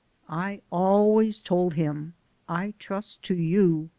I always tole him, ' I trust to you.